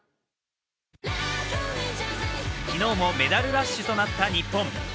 昨日もメダルラッシュとなった日本。